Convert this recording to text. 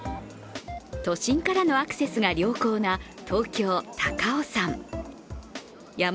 都心からのアクセスが良好な東京・高尾山。